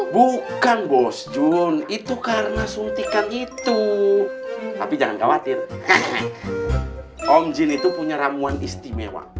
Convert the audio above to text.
bukan gus dun itu karena suntikan itu tapi jangan khawatir om jin itu punya ramuan istimewa